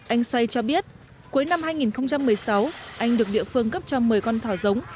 anh xoay cho biết cuối năm hai nghìn một mươi sáu anh được địa phương cấp cho một mươi con thỏ giống